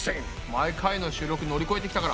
毎回の収録乗り越えてきたから。